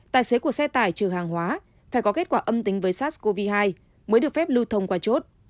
tài xế của xe tải trừ hàng hóa phải có kết quả âm tính với sars cov hai mới được phép lưu thông qua chốt